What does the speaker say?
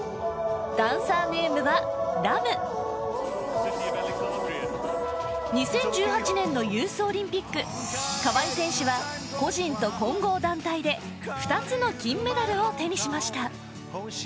ダンサーネームはＲＡＭ２０１８年のユースオリンピック河合選手は個人と混合団体で２つの金メダルを手にしました